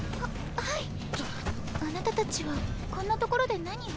あなたたちはこんな所で何を？